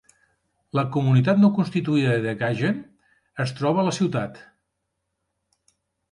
La comunitat no constituïda de Gagen es troba a la ciutat.